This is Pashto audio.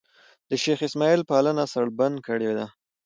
شېخ اسماعیل پالنه سړبن کړې ده.